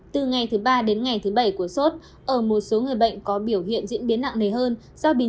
từ ngày thứ ba đến ngày thứ bảy của xuất ở một số người bệnh có biểu hiện diễn biến nặng nề hơn